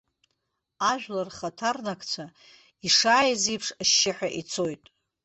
Ажәлар рхаҭарнакцәа, ишааиз еиԥш, ашьшьыҳәа ицоит.